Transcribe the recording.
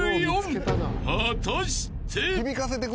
［果たして？］